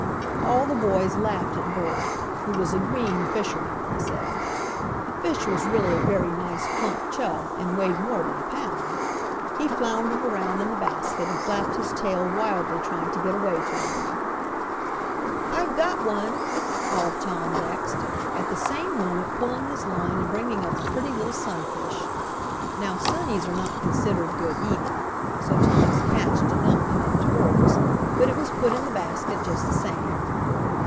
All the boys laughed at Bert, who was a green fisherman they said. The fish was really a very nice plump chub and weighed more than a pound. He floundered around in the basket and flapped his tail wildly trying to get away from them. "I've got one," called Tom next, at the same moment pulling his line and bringing up a pretty little sunfish. Now "sunnies" are not considered good eating, so Tom's catch did not come up to Bert's, but it was put in the basket just the same.